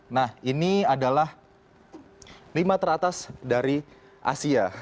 nah ini adalah lima teratas dari asia